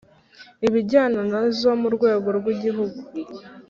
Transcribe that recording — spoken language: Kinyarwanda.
ibijyana na zo mu rwego rw Igihugu